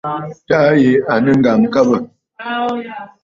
Taà yì à nɨ̂ ŋ̀gàŋkabə̂.